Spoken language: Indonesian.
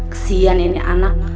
kesian ini anak